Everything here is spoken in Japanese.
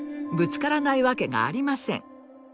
ぶつからないわけがありません。